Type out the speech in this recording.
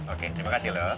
oke terima kasih lo